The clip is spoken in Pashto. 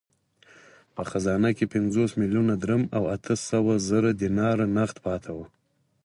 په خزانه کې پنځوس میلیونه درم او اته سوه زره دیناره نغد پاته وو.